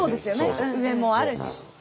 上もあるし。